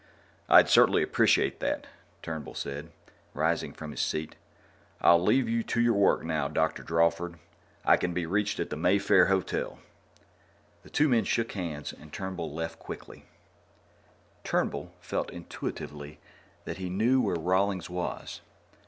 "I'd certainly appreciate that," Turnbull said, rising from his seat. "I'll leave you to your work now, Dr. Drawford. I can be reached at the Mayfair Hotel." The two men shook hands, and Turnbull left quickly. Turnbull felt intuitively that he knew where Rawlings was.